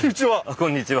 こんにちは。